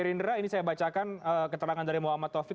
gerindra ini saya bacakan keterangan dari muhammad taufik